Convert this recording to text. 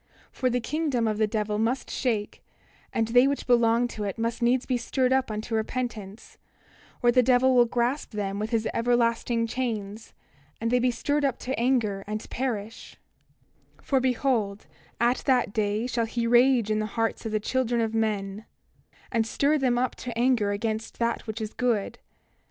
28:19 For the kingdom of the devil must shake, and they which belong to it must needs be stirred up unto repentance, or the devil will grasp them with his everlasting chains, and they be stirred up to anger, and perish; 28:20 For behold, at that day shall he rage in the hearts of the children of men, and stir them up to anger against that which is good.